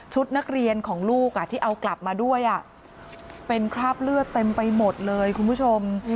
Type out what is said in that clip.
นักเรียนของลูกที่เอากลับมาด้วยเป็นคราบเลือดเต็มไปหมดเลยคุณผู้ชม